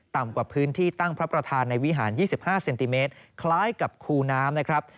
กว่าพื้นที่ตั้งพระประธานในวิหาร๒๕เซนติเมตรคล้ายกับคูน้ำนะครับ